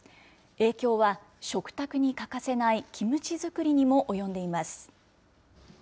影響は食卓に欠かせないキムチ作りにも及んでいます。